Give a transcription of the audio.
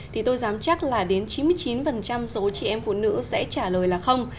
thì tôi dám chắc là đến chín mươi chín số chị em phụ nữ sẽ trả lời là không